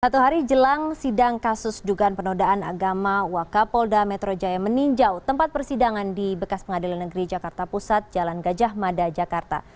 satu hari jelang sidang kasus dugaan penodaan agama wakapolda metro jaya meninjau tempat persidangan di bekas pengadilan negeri jakarta pusat jalan gajah mada jakarta